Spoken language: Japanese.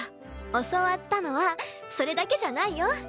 教わったのはそれだけじゃないよ。